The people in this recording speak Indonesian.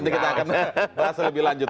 nanti kita akan bahas lebih lanjut